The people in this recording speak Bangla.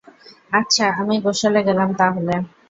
আচ্ছা, আমি গোসলে গেলাম তাহলে।